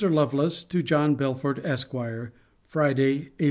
LOVELACE, TO JOHN BELFORD, ESQ. FRIDAY, APR.